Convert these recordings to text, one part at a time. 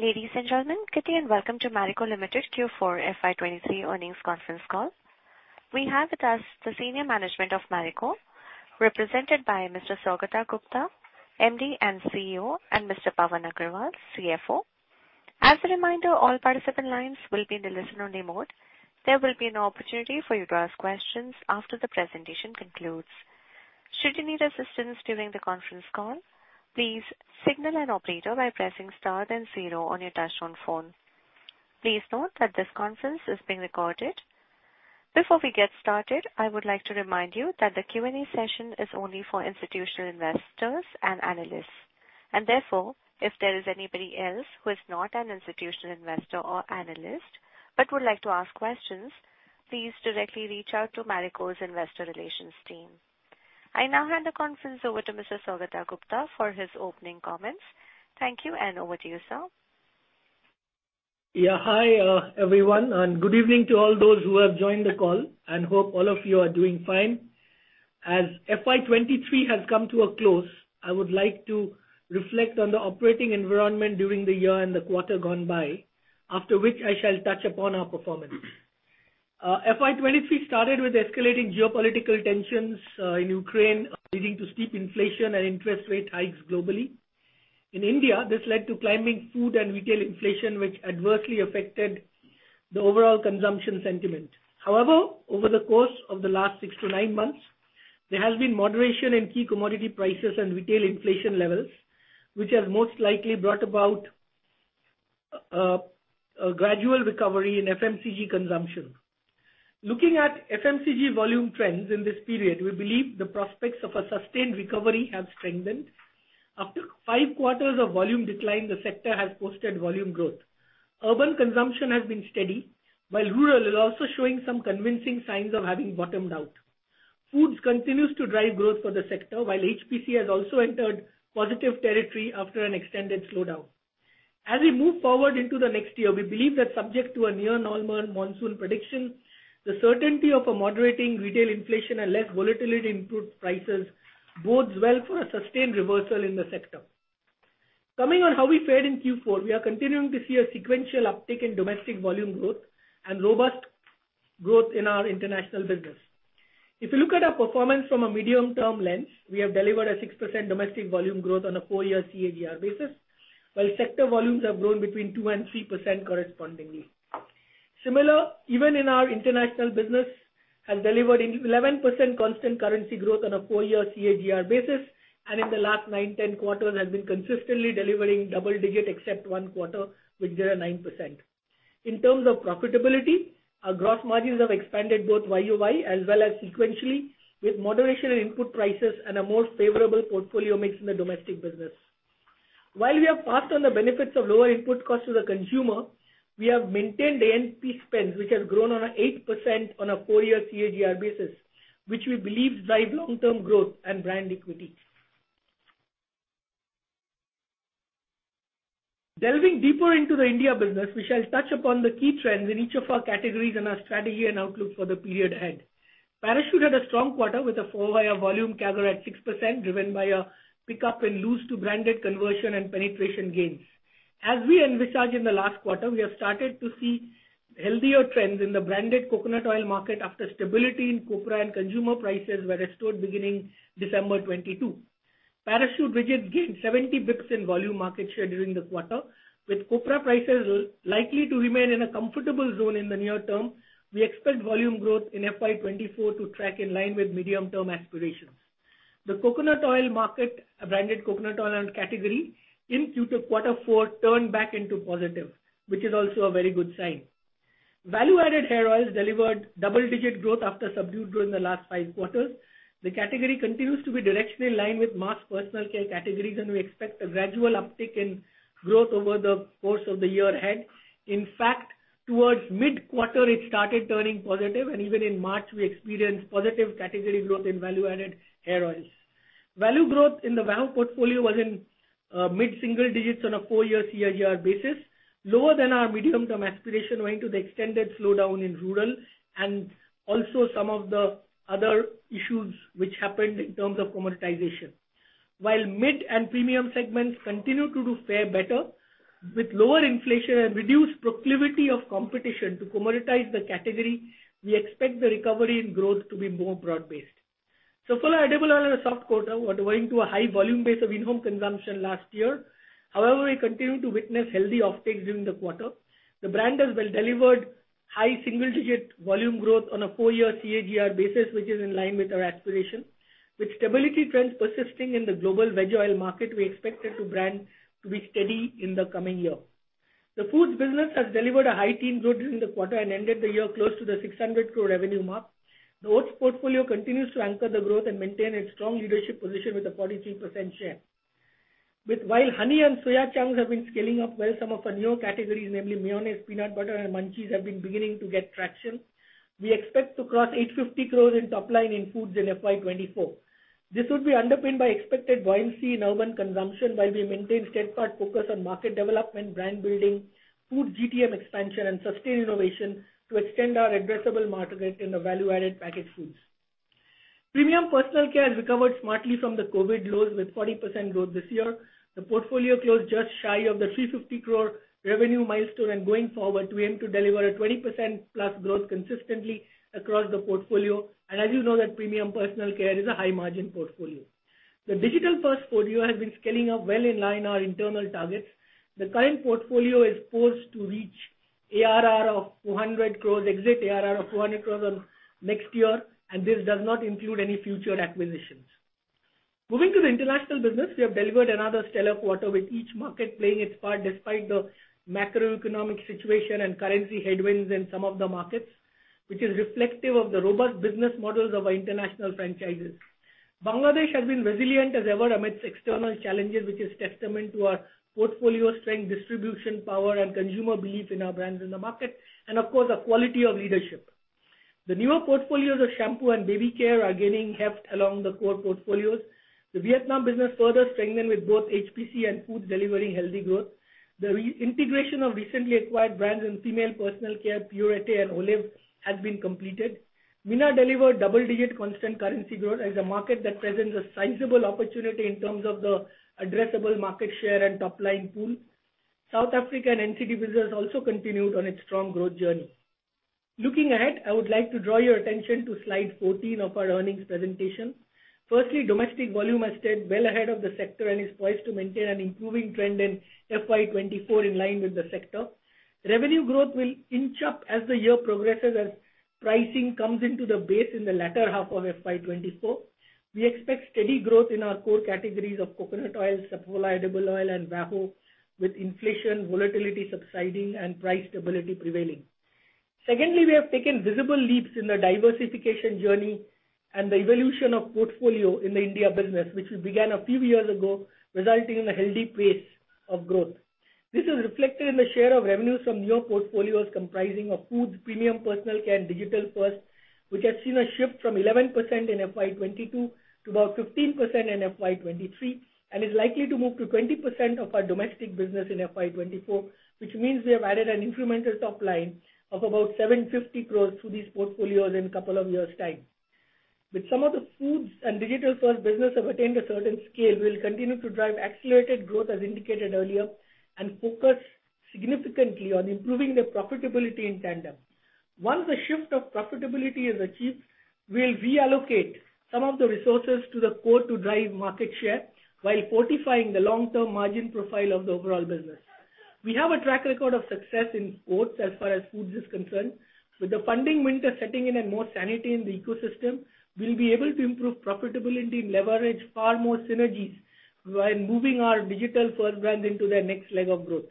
Ladies and gentlemen, good day and welcome to Marico Limited Q4 FY 2023 earnings conference call. We have with us the senior management of Marico, represented by Mr. Saugata Gupta, MD and CEO, and Mr. Pawan Agrawal, CFO. As a reminder, all participant lines will be in the listen-only mode. There will be an opportunity for you to ask questions after the presentation concludes. Should you need assistance during the conference call, please signal an operator by pressing star then zero on your touchtone phone. Please note that this conference is being recorded. Before we get started, I would like to remind you that the Q&A session is only for institutional investors and analysts. Therefore, if there is anybody else who is not an institutional investor or analyst but would like to ask questions, please directly reach out to Marico's investor relations team. I now hand the conference over to Mr. Saugata Gupta for his opening comments. Thank you, and over to you, sir. Yeah. Hi, everyone, and good evening to all those who have joined the call, and hope all of you are doing fine. As FY 2023 has come to a close, I would like to reflect on the operating environment during the year and the quarter gone by, after which I shall touch upon our performance. FY 2023 started with escalating geopolitical tensions in Ukraine, leading to steep inflation and interest rate hikes globally. In India, this led to climbing food and retail inflation, which adversely affected the overall consumption sentiment. However, over the course of the last six to nine months, there has been moderation in key commodity prices and retail inflation levels, which has most likely brought about a gradual recovery in FMCG consumption. Looking at FMCG volume trends in this period, we believe the prospects of a sustained recovery have strengthened. After five quarters of volume decline, the sector has posted volume growth. Urban consumption has been steady, while rural is also showing some convincing signs of having bottomed out. Foods continues to drive growth for the sector, while HPC has also entered positive territory after an extended slowdown. We believe that subject to a near normal monsoon prediction, the certainty of a moderating retail inflation and less volatility in food prices bodes well for a sustained reversal in the sector. Coming on how we fared in Q4, we are continuing to see a sequential uptick in domestic volume growth and robust growth in our international business. If you look at our performance from a medium-term lens, we have delivered a 6% domestic volume growth on a four-year CAGR basis, while sector volumes have grown between 2% and 3% correspondingly. Similar, even in our international business has delivered 11% constant currency growth on a four-year CAGR basis, and in the last nine, 10 quarters has been consistently delivering double-digit except one quarter with near 9%. In terms of profitability, our gross margins have expanded both YOY as well as sequentially with moderation in input prices and a more favorable portfolio mix in the domestic business. While we have passed on the benefits of lower input costs to the consumer, we have maintained A&P spends, which has grown on a 8% on a four-year CAGR basis, which we believe drive long-term growth and brand equity. Delving deeper into the India business, we shall touch upon the key trends in each of our categories and our strategy and outlook for the period ahead. Parachute had a strong quarter with a volume CAGR at 6%, driven by a pickup in loose to branded conversion and penetration gains. As we envisaged in the last quarter, we have started to see healthier trends in the branded coconut oil market after stability in copra and consumer prices were restored beginning December 2022. Parachute Rigids gained 70 bps in volume market share during the quarter. With copra prices likely to remain in a comfortable zone in the near term, we expect volume growth in FY 2024 to track in line with medium-term aspirations. The coconut oil market, branded coconut oil and category in Q4 turned back into positive, which is also a very good sign. Value-added hair oils delivered double-digit growth after subdued growth in the last five quarters. The category continues to be directionally in line with mass personal care categories. We expect a gradual uptick in growth over the course of the year ahead. In fact, towards mid-quarter, it started turning positive, even in March, we experienced positive category growth in Value Added Hair Oils. Value growth in the value portfolio was in mid-single digits on a four-year CAGR basis, lower than our medium-term aspiration owing to the extended slowdown in rural and also some of the other issues which happened in terms of commoditization. While mid and premium segments continue to do fare better with lower inflation and reduced proclivity of competition to commoditize the category, we expect the recovery in growth to be more broad-based. Saffola edible oil had a soft quarter, owing to a high volume base of in-home consumption last year. However, we continue to witness healthy offtakes during the quarter. The brand has well delivered high single-digit volume growth on a four-year CAGR basis, which is in line with our aspiration. With stability trends persisting in the global veg oil market, we expect it to brand to be steady in the coming year. The foods business has delivered a high teen growth during the quarter and ended the year close to the 600 crore revenue mark. The oats portfolio continues to anchor the growth and maintain its strong leadership position with a 43% share. While honey and soya chunks have been scaling up well, some of our newer categories, namely mayonnaise, peanut butter and munchies, have been beginning to get traction. We expect to cross 850 crore in top line in foods in FY 2024. This would be underpinned by expected YMC in urban consumption, while we maintain steadfast focus on market development, brand building, food GTM expansion and sustained innovation to extend our addressable market in the value-added packaged foods. Premium personal care has recovered smartly from the COVID lows with 40% growth this year. The portfolio closed just shy of the 350 crore revenue milestone, going forward, we aim to deliver a 20%+ growth consistently across the portfolio. As you know that premium personal care is a high margin portfolio. The digital-first portfolio has been scaling up well in line our internal targets. The current portfolio is poised to reach ARR of 200 crore, exit ARR of 200 crore on next year, this does not include any future acquisitions. Moving to the international business, we have delivered another stellar quarter with each market playing its part despite the macroeconomic situation and currency headwinds in some of the markets, which is reflective of the robust business models of our international franchises. Bangladesh has been resilient as ever amidst external challenges, which is testament to our portfolio strength, distribution power and consumer belief in our brands in the market, and of course, our quality of leadership. The newer portfolios of shampoo and baby care are gaining heft along the core portfolios. The Vietnam business further strengthened with both HPC and food delivering healthy growth. The re-integration of recently acquired brands in female personal care, Purité and Ôliv has been completed. MENA delivered double-digit constant currency growth as a market that presents a sizable opportunity in terms of the addressable market share and top-line pool. South Africa and NCD business also continued on its strong growth journey. Looking ahead, I would like to draw your attention to slide 14 of our earnings presentation. Firstly, domestic volume has stayed well ahead of the sector and is poised to maintain an improving trend in FY 2024 in line with the sector. Revenue growth will inch up as the year progresses, as pricing comes into the base in the latter half of FY 2024. We expect steady growth in our core categories of coconut oil, Saffola edible oil and VAHO, with inflation volatility subsiding and price stability prevailing. Secondly, we have taken visible leaps in the diversification journey and the evolution of portfolio in the India business, which we began a few years ago, resulting in a healthy pace of growth. This is reflected in the share of revenues from newer portfolios comprising of foods, premium personal care and digital first, which has seen a shift from 11% in FY 2022 to about 15% in FY 2023, and is likely to move to 20% of our domestic business in FY 2024, which means we have added an incremental top line of about 750 crores to these portfolios in a couple of years' time. With some of the foods and digital-first business have attained a certain scale, we'll continue to drive accelerated growth as indicated earlier, and focus significantly on improving the profitability in tandem. Once the shift of profitability is achieved, we'll reallocate some of the resources to the core to drive market share while fortifying the long-term margin profile of the overall business. We have a track record of success in both as far as foods is concerned. With the funding winter setting in and more sanity in the ecosystem, we'll be able to improve profitability and leverage far more synergies while moving our digital-first brands into their next leg of growth.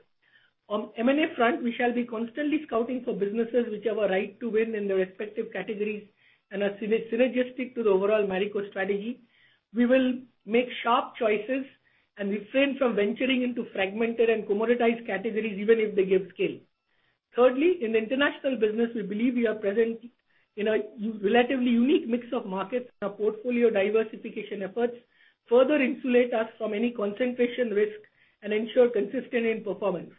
On M&A front, we shall be constantly scouting for businesses which have a right to win in their respective categories and are synergistic to the overall Marico strategy. We will make sharp choices and refrain from venturing into fragmented and commoditized categories even if they give scale. Thirdly, in the international business, we believe we are present in a relatively unique mix of markets. Our portfolio diversification efforts further insulate us from any concentration risk and ensure consistency in performance.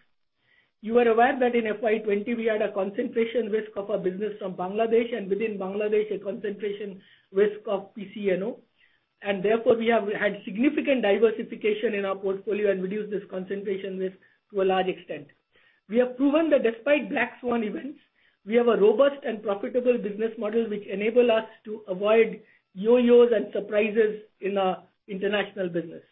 You are aware that in FY 2020 we had a concentration risk of our business from Bangladesh and within Bangladesh, a concentration risk of PCNO. Therefore, we have had significant diversification in our portfolio and reduced this concentration risk to a large extent. We have proven that despite black swan events, we have a robust and profitable business model which enable us to avoid yo-yos and surprises in our international business.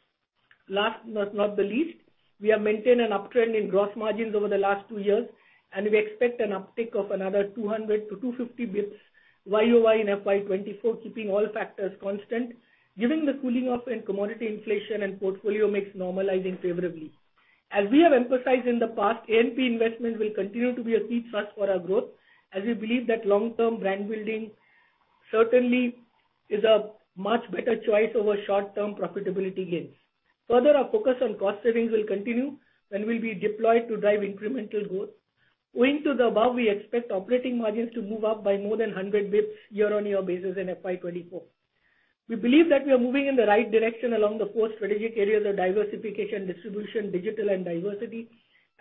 Last but not the least, we have maintained an uptrend in gross margins over the last two years, and we expect an uptick of another 200 bps to 250 bps Y-o-Y in FY 2024, keeping all factors constant, giving the cooling off in commodity inflation and portfolio mix normalizing favorably. As we have emphasized in the past, A&P investment will continue to be a key thrust for our growth, as we believe that long-term brand building certainly is a much better choice over short-term profitability gains. Our focus on cost savings will continue and will be deployed to drive incremental growth. Owing to the above, we expect operating margins to move up by more than 100 basis points year-on-year basis in FY 2024. We believe that we are moving in the right direction along the four strategic areas of diversification, distribution, digital and diversity,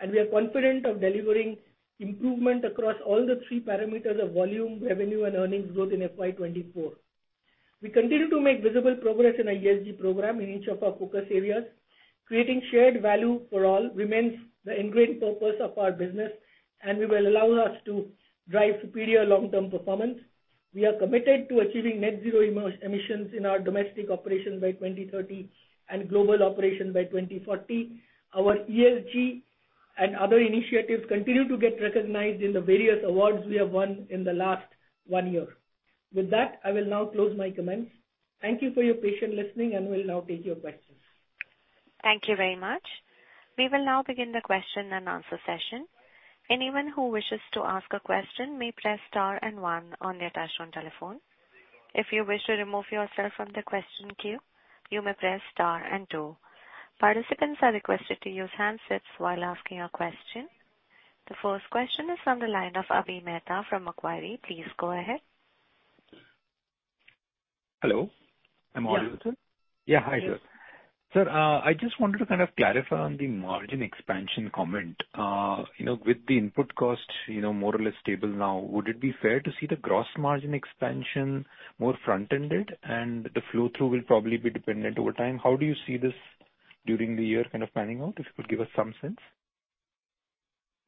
and we are confident of delivering improvement across all the three parameters of volume, revenue and earnings growth in FY 2024. We continue to make visible progress in our ESG program in each of our focus areas. Creating shared value for all remains the ingrained purpose of our business and will allow us to drive superior long-term performance. We are committed to achieving net zero emissions in our domestic operations by 2030 and global operations by 2040. Our ESG and other initiatives continue to get recognized in the various awards we have won in the last one year. With that, I will now close my comments. Thank you for your patient listening. We'll now take your questions. Thank you very much. We will now begin the question and answer session. Anyone who wishes to ask a question may press star and one on their touch-tone telephone. If you wish to remove yourself from the question queue, you may press star and two. Participants are requested to use handsets while asking a question. The first question is on the line of Avi Mehta from Macquarie. Please go ahead. Hello, am I audible? Yeah. Yeah. Hi, good. Sir, I just wanted to kind of clarify on the margin expansion comment. You know, with the input cost, you know, more or less stable now, would it be fair to see the gross margin expansion more front-ended and the flow-through will probably be dependent over time? How do you see this during the year kind of panning out? If you could give us some sense.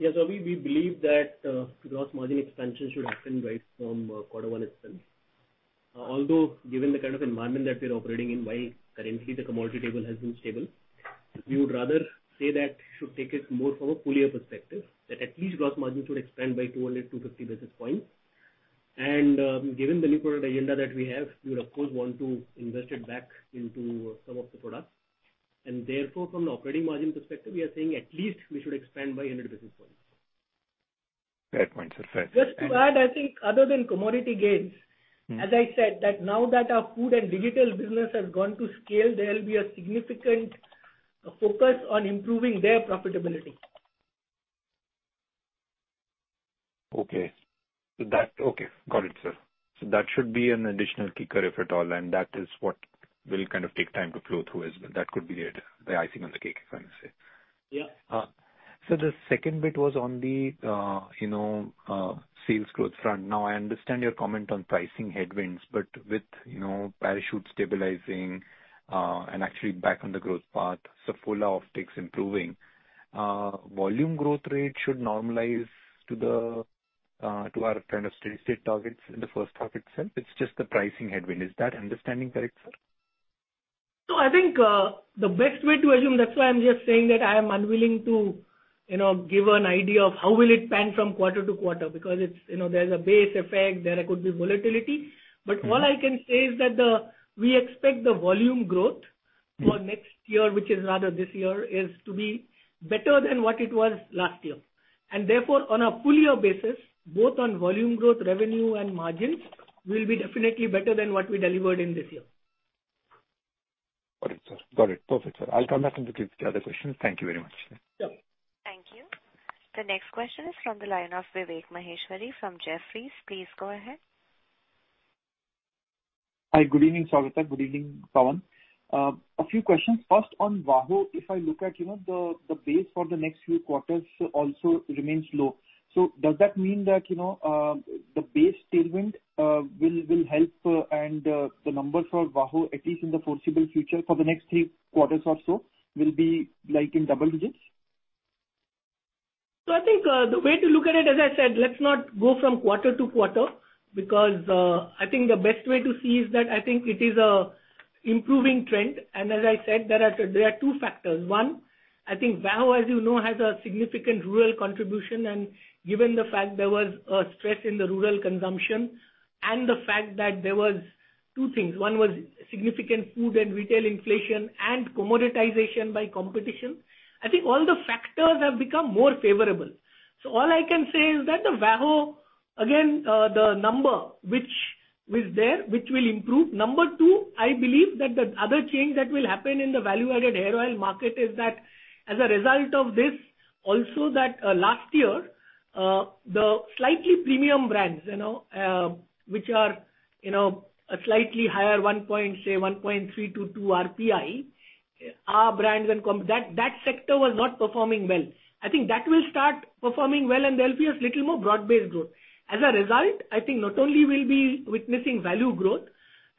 We believe that gross margin expansion should happen right from quarter one itself. Although, given the kind of environment that we're operating in, while currently the commodity table has been stable, we would rather say that should take it more from a full year perspective, that at least gross margins would expand by 200 to 250 basis points. Given the new product agenda that we have, we would of course want to invest it back into some of the products. From the operating margin perspective, we are saying at least we should expand by 100 basis points. Fair point, sir. Thank you. Just to add, I think other than commodity gains- as I said, that now that our food and digital business has gone to scale, there will be a significant focus on improving their profitability. Okay, got it, sir. That should be an additional kicker, if at all, and that is what will kind of take time to flow through as well. That could be the icing on the cake, if I may say. Yeah. The second bit was on the, you know, sales growth front. I understand your comment on pricing headwinds, with, you know, Parachute stabilizing, and actually back on the growth path, Saffola optics improving, volume growth rate should normalize to the, to our kind of steady-state targets in the first half itself. It's just the pricing headwind. Is that understanding correct, sir? I think, the best way to assume, that's why I'm just saying that I am unwilling to, you know, give an idea of how will it pan from quarter to quarter, because it's, you know, there's a base effect, there could be volatility. All I can say is that we expect the volume growth. for next year, which is rather this year, is to be better than what it was last year. Therefore, on a full year basis, both on volume growth, revenue and margins will be definitely better than what we delivered in this year. Got it, sir. Got it. Perfect, sir. I'll come back if we get the other questions. Thank you very much, sir. Sure. Thank you. The next question is from the line of Vivek Maheshwari from Jefferies. Please go ahead. Hi, good evening, Saugata. Good evening, Pawan. A few questions. First, on VAHO, if I look at, you know, the base for the next few quarters also remains low. Does that mean that, you know, the base tailwind will help and the numbers for VAHO, at least in the foreseeable future for the next three quarters or so, will be like in double digits? I think the way to look at it, as I said, let's not go from quarter to quarter because I think the best way to see is that I think it is a improving trend. As I said, there are two factors. One, I think VAHO, as you know, has a significant rural contribution, and given the fact there was a stress in the rural consumption and the fact that there was two things. One was significant food and retail inflation and commoditization by competition. I think all the factors have become more favorable. All I can say is that the VAHO, again, the number which was there, which will improve. Number two, I believe that the other change that will happen in the Value Added Hair Oil market is that as a result of this, also that, last year, the slightly premium brands, you know, which are, you know, a slightly higher 1.3 to 2 RPI, our brands and that sector was not performing well. I think that will start performing well, and there'll be a little more broad-based growth. As a result, I think not only we'll be witnessing value growth,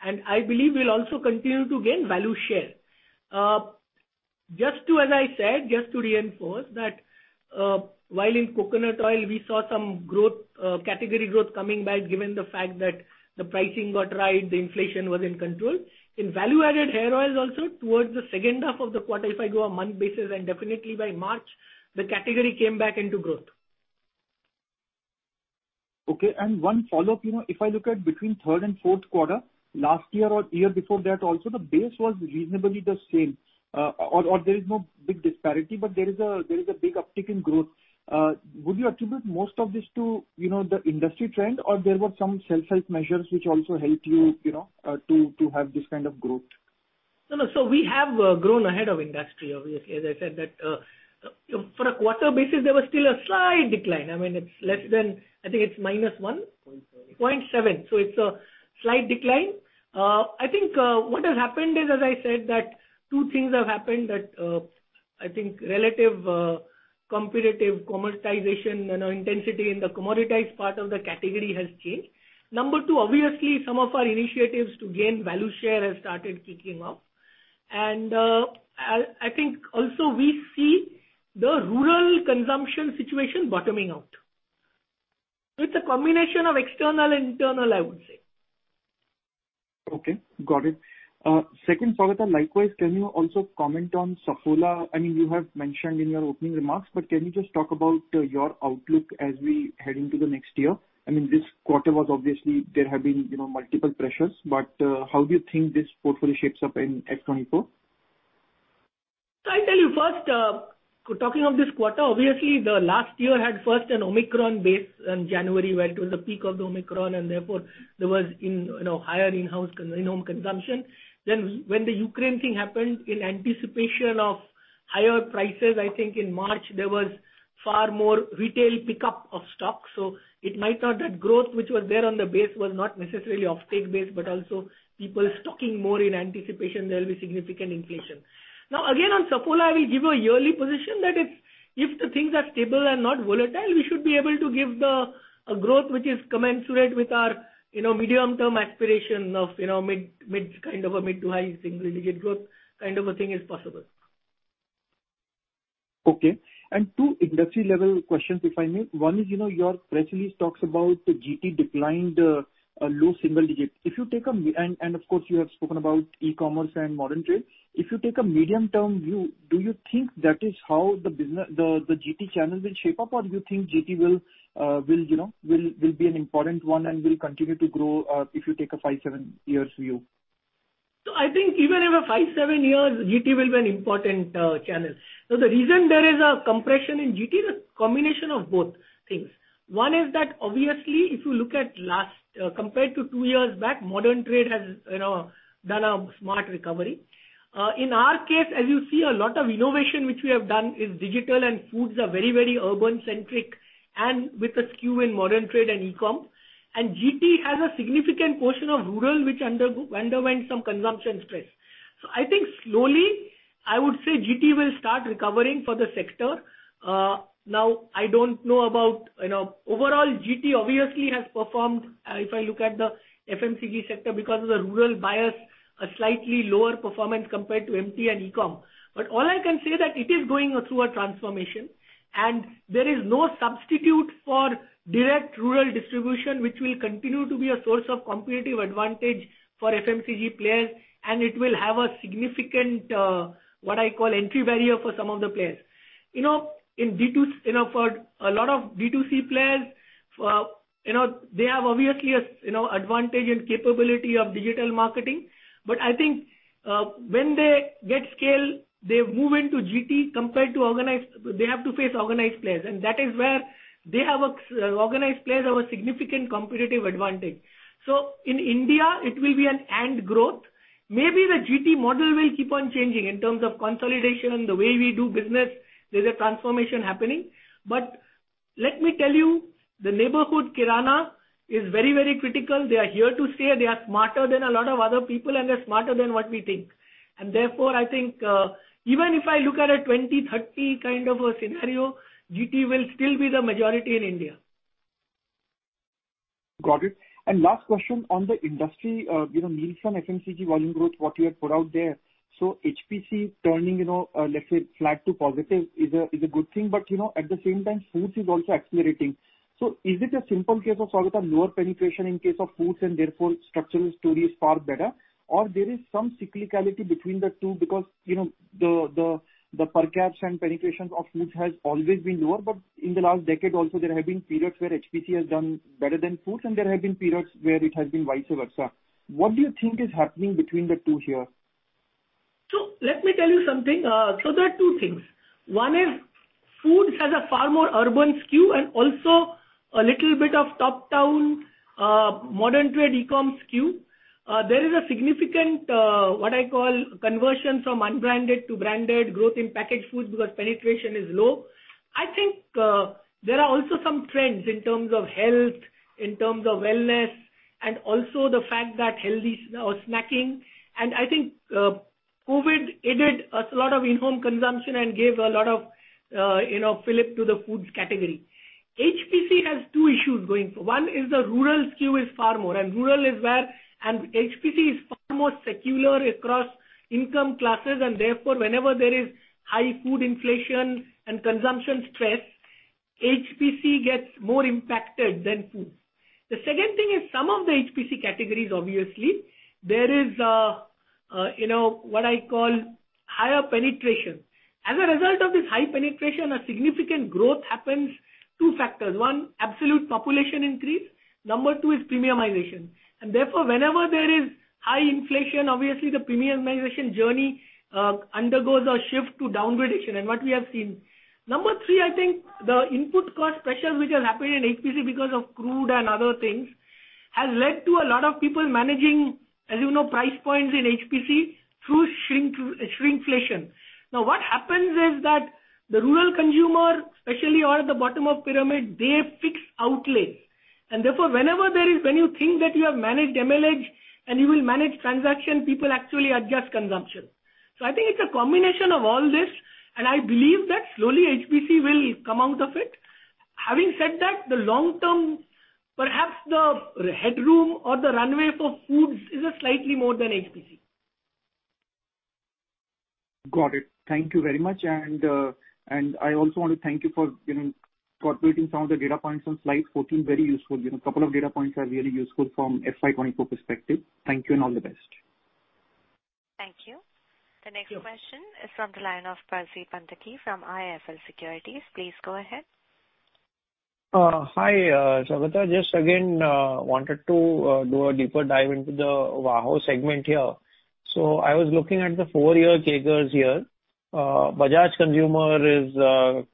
and I believe we'll also continue to gain value share. Just to, as I said, just to reinforce that, while in coconut oil we saw some growth, category growth coming back, given the fact that the pricing got right, the inflation was in control. In value-added hair oils also, towards the second half of the quarter, if I go on month basis and definitely by March, the category came back into growth. Okay. One follow-up, you know, if I look at between Third and Fourth Quarter, last year or year before that also, the base was reasonably the same, or there is no big disparity. There is a big uptick in growth. Would you attribute most of this to, you know, the industry trend or there were some self-help measures which also helped you know, to have this kind of growth? No, no. We have grown ahead of industry, obviously, as I said that, for a quarter basis, there was still a slight decline. I mean, it's less than, I think it's minus 1%? Point seven. Point seven. It's a slight decline. I think what has happened is, as I said, that two things have happened that I think relative competitive commoditization, you know, intensity in the commoditized part of the category has changed. Number two, obviously some of our initiatives to gain value share have started kicking off. I think also we see the rural consumption situation bottoming out. It's a combination of external and internal, I would say. Okay, got it. second, Saugata, likewise, can you also comment on Saffola? I mean, you have mentioned in your opening remarks, can you just talk about your outlook as we head into the next year? I mean, this quarter was obviously there have been, you know, multiple pressures, how do you think this portfolio shapes up in FY 2024? I tell you first, talking of this quarter, obviously the last year had first an Omicron base in January, where it was the peak of the Omicron and therefore there was, you know, higher in-home consumption. When the Ukraine thing happened, in anticipation of higher prices, I think in March there was far more retail pickup of stock, so it might not. That growth which was there on the base was not necessarily off-take base, but also people stocking more in anticipation there will be significant inflation. Again, on Saffola, we give a yearly position that if the things are stable and not volatile, we should be able to give a growth which is commensurate with our, you know, medium-term aspiration of, you know, mid, kind of a mid-to-high single-digit growth kind of a thing is possible. Okay. Two industry-level questions, if I may. One is, you know, your press release talks about the GT declined a low single digit. If you take, of course, you have spoken about e-commerce and modern trade. If you take a medium-term view, do you think that is how the GT channel will shape up? Do you think GT will you know, will be an important one and will continue to grow if you take a five, seven years view? I think even in the five, seven years, GT will be an important channel. The reason there is a compression in GT is a combination of both things. One is that obviously, if you look at last, compared to two years back, modern trade has, you know, done a smart recovery. In our case, as you see, a lot of innovation which we have done is digital and foods are very, very urban-centric and with a skew in modern trade and e-com. GT has a significant portion of rural which underwent some consumption stress. I think slowly, I would say GT will start recovering for the sector. Now, you know, overall, GT obviously has performed, if I look at the FMCG sector because of the rural bias, a slightly lower performance compared to MT and e-com. All I can say that it is going through a transformation and there is no substitute for direct rural distribution, which will continue to be a source of competitive advantage for FMCG players, and it will have a significant, what I call entry barrier for some of the players. You know, for a lot of B2C players, you know, they have obviously a, you know, advantage and capability of digital marketing. I think, when they get scale, they move into GT. They have to face organized players. That is where organized players have a significant competitive advantage. In India it will be an and growth. Maybe the GT model will keep on changing in terms of consolidation and the way we do business, there's a transformation happening. Let me tell you, the neighborhood kirana is very, very critical. They are here to stay. They are smarter than a lot of other people, and they're smarter than what we think. Therefore, I think, even if I look at a 2030 kind of a scenario, GT will still be the majority in India. Got it. Last question on the industry, you know, Nielsen FMCG volume growth, what you have put out there. HPC turning, you know, let's say flat to positive is a good thing. You know, at the same time, foods is also accelerating. Is it a simple case of, Saugata, lower penetration in case of foods and therefore structural story is far better? There is some cyclicality between the two because, you know, the per caps and penetrations of foods has always been lower. In the last decade also, there have been periods where HPC has done better than foods, and there have been periods where it has been vice versa. What do you think is happening between the two here? Let me tell you something. There are two things. One is foods has a far more urban skew and also a little bit of top-down, modern trade e-com skew. There is a significant, what I call conversion from unbranded to branded growth in packaged foods because penetration is low. I think, there are also some trends in terms of health, in terms of wellness, and also the fact that healthy snacking. I think, COVID aided a lot of in-home consumption and gave a lot of, you know, fillip to the foods category. HPC has two issues going. One is the rural skew is far more, and rural is where... HPC is far more secular across income classes and therefore whenever there is high food inflation and consumption stress, HPC gets more impacted than foods. The second thing is some of the HPC categories obviously, there is, you know, what I call higher penetration. As a result of this high penetration, a significant growth happens two factors. One, absolute population increase. Number two is premiumization. Therefore, whenever there is high inflation, obviously the premiumization journey undergoes a shift to downgradation, and what we have seen. Number three, I think the input cost pressures which has happened in HPC because of crude and other things, has led to a lot of people managing, as you know, price points in HPC through shrink, shrinkflation. What happens is that the rural consumer, especially who are at the bottom of pyramid, they fix outlets. Therefore, when you think that you have managed MLH and you will manage transaction, people actually adjust consumption. I think it's a combination of all this, and I believe that slowly HPC will come out of it. Having said that, the long term, perhaps the headroom or the runway for foods is slightly more than HPC. Got it. Thank you very much. I also want to thank you for, you know, incorporating some of the data points on slide 14, very useful. You know, couple of data points are really useful from FY 2022 perspective. Thank you and all the best. Thank you. The next question is from the line of Percy Panthaki from IIFL Securities. Please go ahead. Hi, Saugata. Just again, wanted to do a deeper dive into the VAHO segment here. I was looking at the four-year CAGRs here. Bajaj Consumer is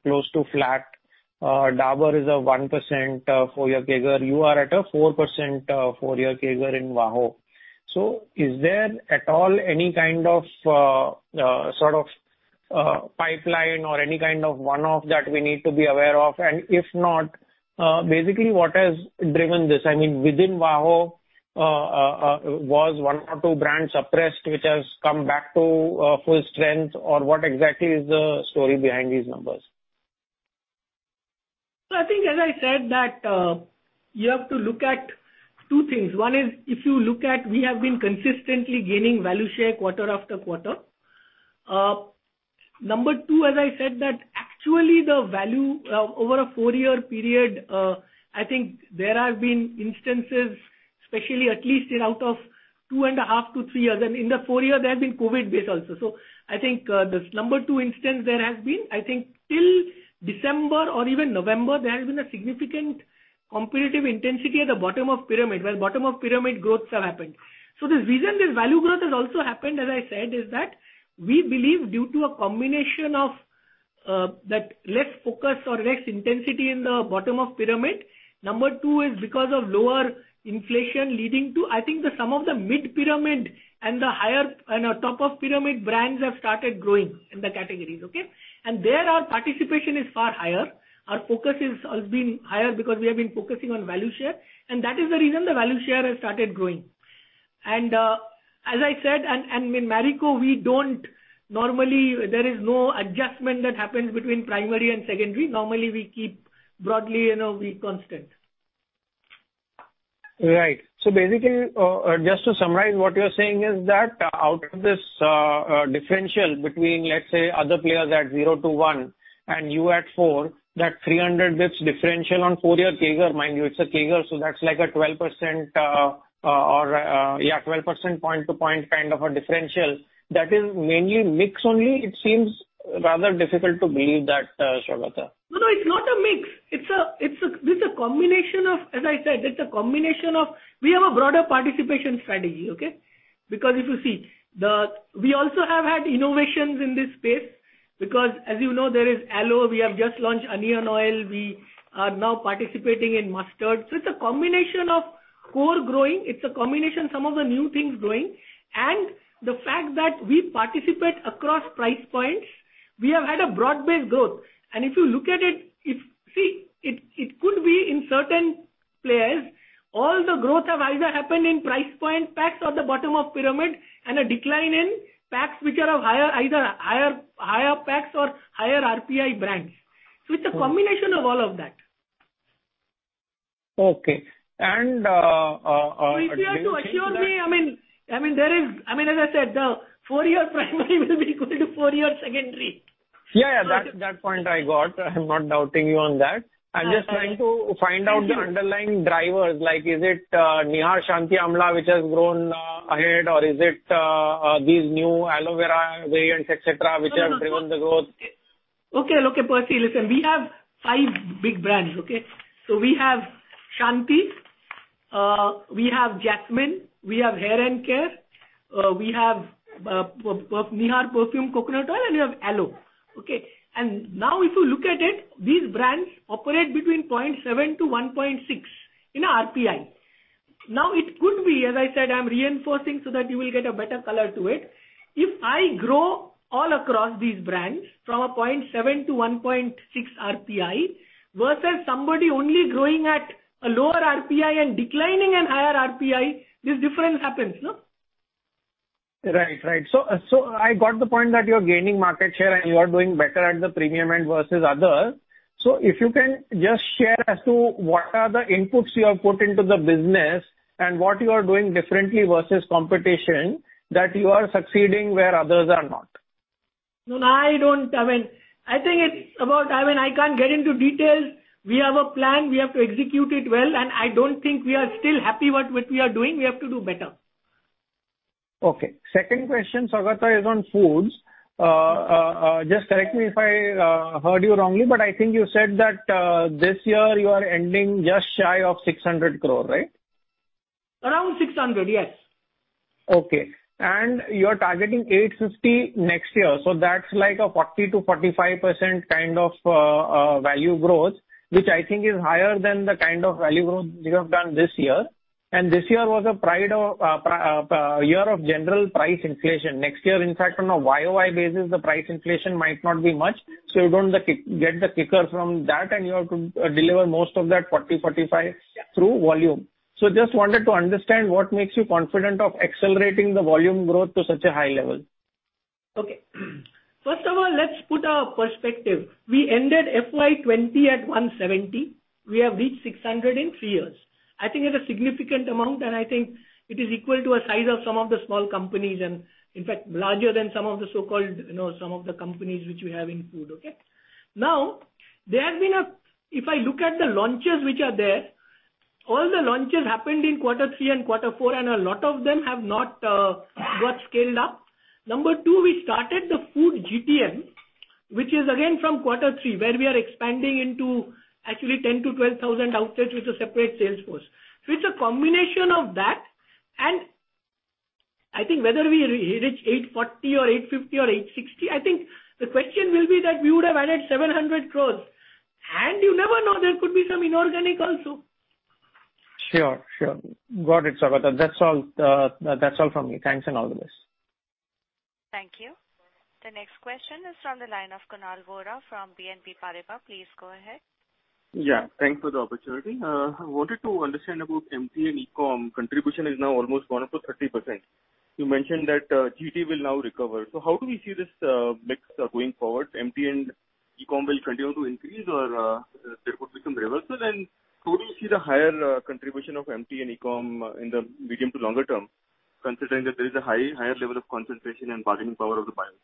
close to flat. Dabur is a 1%, four-year CAGR. You are at a 4%, four-year CAGR in VAHO? Is there at all any kind of sort of pipeline or any kind of one-off that we need to be aware of? If not, basically, what has driven this? I mean, within VAHO, was one or two brands suppressed, which has come back to full strength or what exactly is the story behind these numbers? I think, as I said, that you have to look at two things. One is if you look at we have been consistently gaining value share quarter after quarter. Number two, as I said, that actually the value over a four-year period, I think there have been instances, especially at least out of two and a half to three years, and in the four years there have been COVID base also. I think, this number two instance there has been, I think till December or even November, there has been a significant competitive intensity at the bottom of pyramid, where bottom of pyramid growths have happened. The reason this value growth has also happened, as I said, is that we believe due to a combination of that less focus or less intensity in the bottom of pyramid. Number two is because of lower inflation, leading to, I think, the some of the mid-pyramid and the higher and the top of pyramid brands have started growing in the categories. Okay? There our participation is far higher. Our focus has been higher because we have been focusing on value share, and that is the reason the value share has started growing. As I said, in Marico, normally there is no adjustment that happens between primary and secondary. Normally, we keep broadly, you know, we constant. just to summarize, what you're saying is that out of this differential between, let's say, other players at zero to one and you at four, that 300 bps differential on four-year CAGR, mind you, it's a CAGR, so that's like a 12% or, yeah, 12% point to point kind of a differential that is mainly mix only. It seems rather difficult to believe that, Saugata. No, no, it's not a mix. This is a combination of, as I said, it's a combination of we have a broader participation strategy, okay? Because if you see we also have had innovations in this space because as you know, there is aloe. We have just launched onion oil. We are now participating in mustard. It's a combination of core growing, some of the new things growing, and the fact that we participate across price points. We have had a broad-based growth. If you look at it could be in certain players, all the growth have either happened in price point packs or the bottom of pyramid and a decline in packs which are of higher packs or higher RPI brands. It's a combination of all of that. Okay. If you have to assure me, I mean, there is, I mean, as I said, the four-year primary will be equal to four-year secondary. Yeah, that point I got. I'm not doubting you on that. I'm just trying to find out the underlying drivers, like, is it Nihar Shanti Amla which has grown ahead or is it these new Aloe Vera variants, et cetera, which have driven the growth? Okay, look, Percy, listen, we have five big brands, okay? We have Shanti, we have Jasmine, we have Hair & Care, we have Nihar Perfumed Coconut Oil, and we have Aloe. Okay? If you look at it, these brands operate between 0.7 to 1.6 in RPI. It could be, as I said, I'm reinforcing so that you will get a better color to it. If I grow all across these brands from a 0.7 to 1.6 RPI versus somebody only growing at a lower RPI and declining in higher RPI, this difference happens, no? Right. Right. I got the point that you're gaining market share and you are doing better at the premium end versus others. If you can just share as to what are the inputs you have put into the business and what you are doing differently versus competition, that you are succeeding where others are not? No, I don't... I mean, I think it's about... I mean, I can't get into details. We have a plan, we have to execute it well. I don't think we are still happy what we are doing. We have to do better. Okay. Second question, Saugata, is on foods. Just correct me if I heard you wrongly, but I think you said that this year you are ending just shy of 600 crore, right? Around 600, yes. Okay. You are targeting 850 next year. That's like a 40% to 45% kind of value growth, which I think is higher than the kind of value growth you have done this year. This year was a year of general price inflation. Next year, in fact, on a YOY basis, the price inflation might not be much, so you don't get the kicker from that, and you have to deliver most of that 40%, 45% through volume. Just wanted to understand what makes you confident of accelerating the volume growth to such a high level. Okay. First of all, let's put a perspective. We ended FY 2020 at 170 crore. We have reached 600 crore in three years. I think it's a significant amount, and I think it is equal to a size of some of the small companies and, in fact, larger than some of the so-called, you know, some of the companies which we have in food. Okay? There has been if I look at the launches which are there, all the launches happened in quarter three and quarter four, and a lot of them have not got scaled up. Number two, we started the food GTM, which is again from quarter three, where we are expanding into actually 10,000 to 12,000 outlets with a separate sales force. It's a combination of that. I think whether we re-reach 840 or 850 or 860, I think the question will be that we would have added 700 crores, and you never know, there could be some inorganic also. Sure. Sure. Got it, Saugata. That's all from me. Thanks and all the best. Thank you. The next question is from the line of Kunal Vora from BNP Paribas. Please go ahead. Yeah, thanks for the opportunity. I wanted to understand about MT and E-com contribution is now almost gone up to 30%. You mentioned that GT will now recover. How do we see this mix going forward? MT and E-com will continue to increase or there would be some reversal? How do you see the higher contribution of MT and E-com in the medium to longer term, considering that there is a higher level of concentration and bargaining power of the buyers?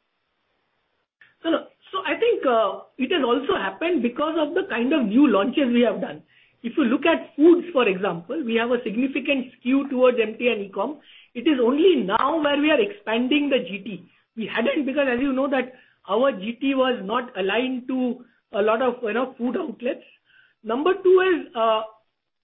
I think it has also happened because of the kind of new launches we have done. If you look at foods, for example, we have a significant skew towards MT and E-com. It is only now where we are expanding the GT. We hadn't, because as you know that our GT was not aligned to a lot of, you know, food outlets. Number two is,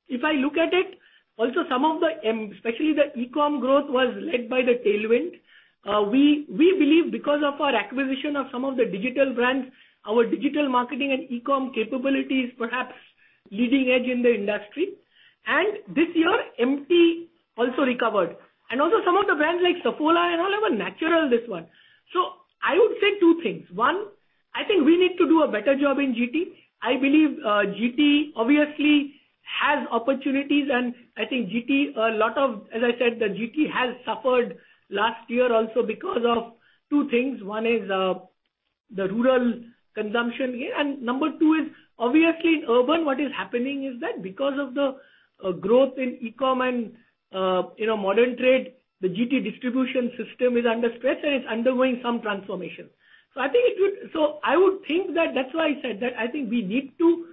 if I look at it, also some of the especially the e-com growth was led by the tailwind. We believe because of our acquisition of some of the digital brands, our digital marketing and E-com capability is perhaps leading edge in the industry. This year, MT also recovered. Also some of the brands like Saffola and all have a natural this one. I would say two things. One, I think we need to do a better job in GT. I believe, GT obviously has opportunities, and I think GT, As I said, the GT has suffered last year also because of two things. One is, the rural consumption. Number two is obviously in urban what is happening is that because of the growth in e-com and, you know, modern trade, the GT distribution system is under stress and it's undergoing some transformation. I would think that that's why I said that I think we need to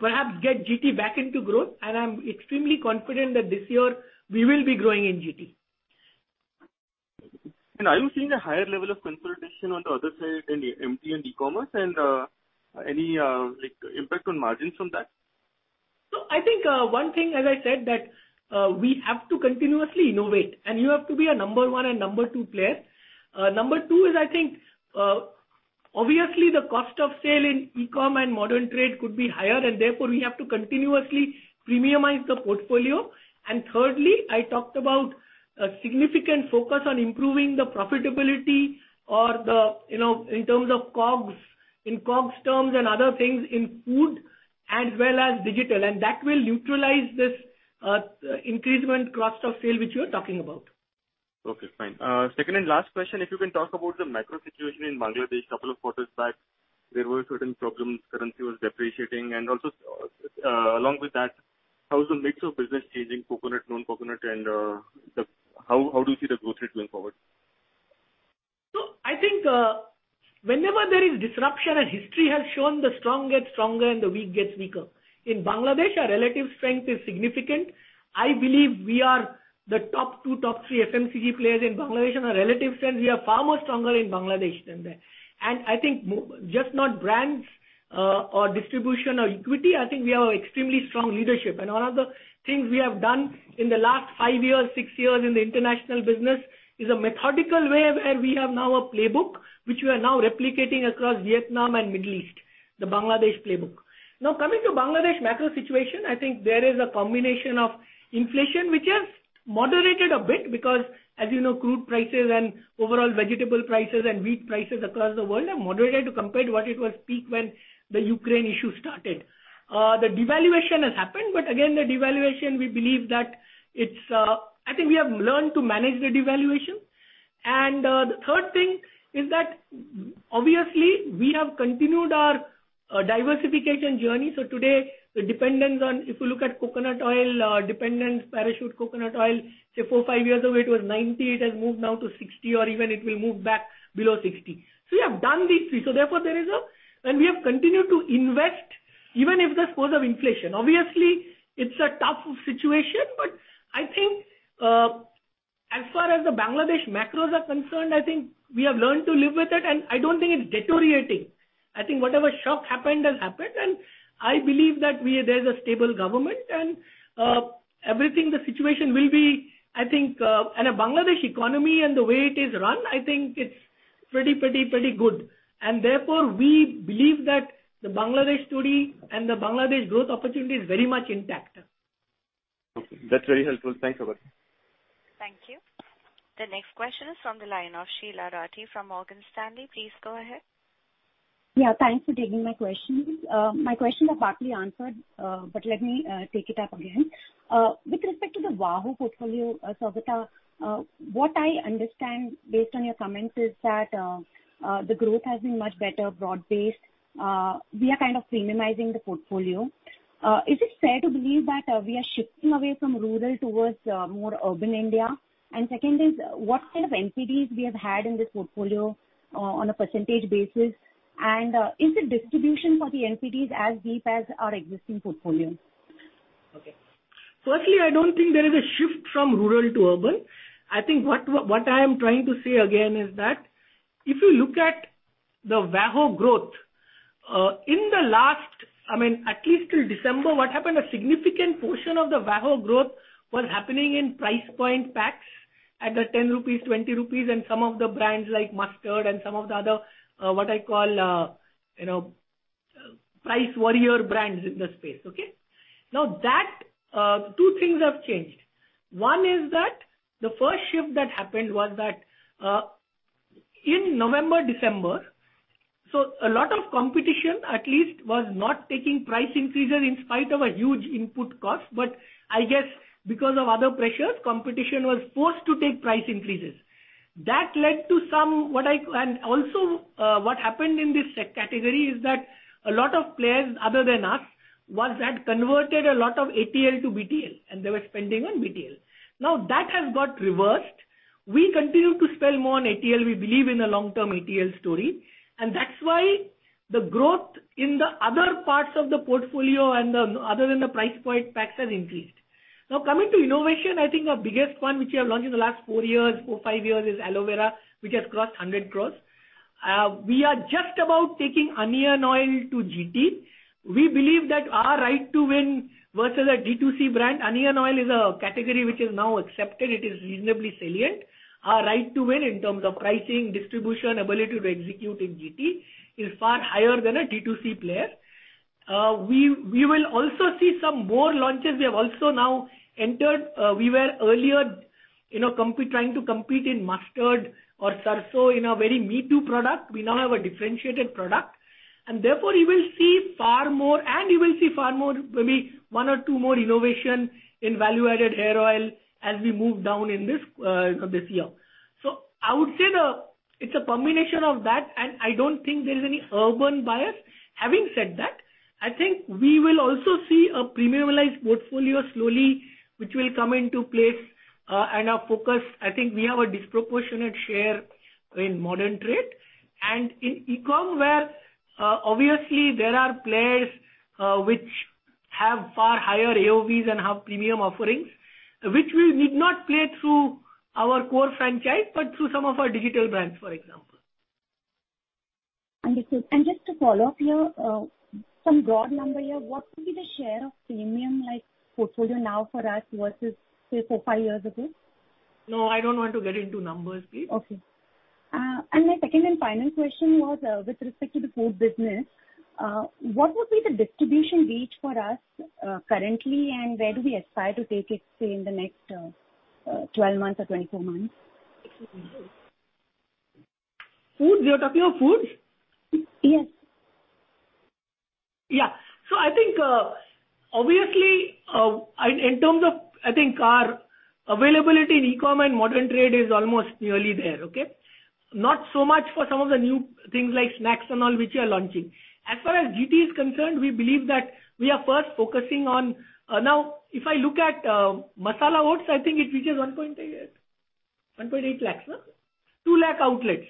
perhaps get GT back into growth, and I'm extremely confident that this year we will be growing in GT. Are you seeing a higher level of consolidation on the other side in MT and e-commerce and, any impact on margins from that? I think, one thing as I said that, we have to continuously innovate, and you have to be a number one and number two player. Number two is I think, obviously the cost of sale in e-com and modern trade could be higher, and therefore we have to continuously premiumize the portfolio. Thirdly, I talked about a significant focus on improving the profitability or the, you know, in terms of COGS, in COGS terms and other things in food as well as digital. That will neutralize this increase in cost of sale which you are talking about. Okay, fine. Second and last question, if you can talk about the macro situation in Bangladesh. Couple of quarters back, there were certain problems, currency was depreciating. Also, along with that, how is the mix of business changing, coconut, non-coconut, and How do you see the growth rate going forward? I think, whenever there is disruption, History has shown the strong gets stronger and the weak gets weaker. In Bangladesh, our relative strength is significant. I believe we are the top two, top three FMCG players in Bangladesh. On a relative sense, we are far more stronger in Bangladesh than there. I think just not brands, or distribution or equity, I think we have extremely strong leadership. One of the things we have done in the last five years, six years in the international business is a methodical way where we have now a playbook, which we are now replicating across Vietnam and Middle East, the Bangladesh playbook. Coming to Bangladesh macro situation, I think there is a combination of inflation which has moderated a bit because as you know, crude prices and overall vegetable prices and wheat prices across the world have moderated compared to what it was peak when the Ukraine issue started. The devaluation has happened, but again, the devaluation we believe that it's, I think we have learned to manage the devaluation. The third thing is that obviously we have continued our diversification journey. Today, the dependence on, if you look at coconut oil, dependence Parachute coconut oil, say four, five years ago, it was 90, it has moved now to 60 or even it will move back below 60. We have done these three. Therefore we have continued to invest even if there's cost of inflation. Obviously, it's a tough situation, but I think, as far as the Bangladesh macros are concerned, I think we have learned to live with it, and I don't think it's deteriorating. I think whatever shock happened has happened, and I believe that there's a stable government and everything, the situation will be, I think. A Bangladesh economy and the way it is run, I think it's pretty, pretty good. Therefore, we believe that the Bangladesh story and the Bangladesh growth opportunity is very much intact. Okay. That's very helpful. Thanks, Saugata. Thank you. The next question is from the line of Sheela Rathi from Morgan Stanley. Please go ahead. Thanks for taking my questions. My question was partly answered, let me take it up again. With respect to the VAHO portfolio, Saugata, what I understand based on your comments is that the growth has been much better broad-based. We are kind of premiumizing the portfolio. Is it fair to believe that we are shifting away from rural towards more urban India? Second is, what kind of NPDs we have had in this portfolio on a percentage basis? Is the distribution for the NPDs as deep as our existing portfolio? Firstly, I don't think there is a shift from rural to urban. I think what I am trying to say again is that if you look at the VAHO growth in the last... I mean, at least till December, what happened, a significant portion of the VAHO growth was happening in price point packs at the 10 rupees, 20 rupees, and some of the brands like Mustard and some of the other, what I call, you know, price warrior brands in the space. Now that two things have changed. One is that the first shift that happened was that in November, December, a lot of competition at least was not taking price increases in spite of a huge input cost, but I guess because of other pressures, competition was forced to take price increases. That led to some, what I... What happened in this sec category is that a lot of players other than us, was that converted a lot of ATL to BTL, and they were spending on BTL. That has got reversed. We continue to spend more on ATL. We believe in the long-term ATL story, and that's why the growth in the other parts of the portfolio and the, other than the price point packs has increased. Coming to innovation, I think our biggest one which we have launched in the last four, five years is aloe vera, which has crossed 100 crores. We are just about taking onion oil to GT. We believe that our right to win versus a D2C brand, onion oil is a category which is now accepted. It is reasonably salient. Our right to win in terms of pricing, distribution, ability to execute in GT is far higher than a D2C player. We will also see some more launches. We have also now entered, we were earlier, you know, trying to compete in mustard or sarson in a very me-too product. We now have a differentiated product, and therefore you will see far more, and you will see far more, maybe one or two more innovation in value-added hair oil as we move down in this year. I would say the, it's a combination of that, and I don't think there is any urban bias. Having said that, I think we will also see a premiumized portfolio slowly, which will come into place, and our focus... I think we have a disproportionate share in modern trade. In e-com where, obviously there are players, which have far higher AOV than have premium offerings, which we need not play through our core franchise, but through some of our digital brands, for example. Understood. Just to follow up here, some broad number here, what will be the share of premium like portfolio now for us versus, say, four, five years ago? No, I don't want to get into numbers, please. Okay. My second and final question was, with respect to the food business, what would be the distribution reach for us, currently, and where do we aspire to take it, say, in the next, 12 months or 24 months? Food? You're talking of foods? Yes. Yeah. I think, obviously, in terms of, I think our availability in e-com and modern trade is almost nearly there. Okay? Not so much for some of the new things like snacks and all which we are launching. As far as GT is concerned, we believe that we are first focusing on. Now if I look at masala oats, I think it reaches 1.8 lakhs, no? 2 lakh outlets.